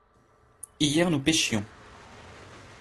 Hier nous pêchions.